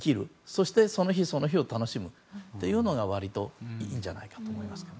そして、その日その日を楽しむというのが割といいんじゃないかと思います。